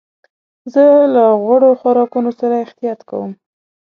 زه له غوړو خوراکونو سره احتياط کوم.